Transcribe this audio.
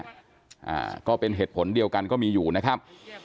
อ่าก็เป็นเหตุผลเดียวกันก็มีอยู่นะครับ